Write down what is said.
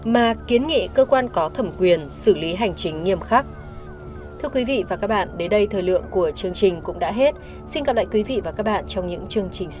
mà kiến nghị cơ quan có thẩm quyền xử lý hành chính nghiêm khắc